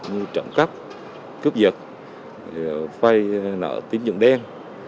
như trận cắp cướp vật phai nợ tín dựng đen